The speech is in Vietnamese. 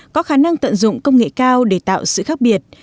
công nghệ cao để tạo sự khác biệt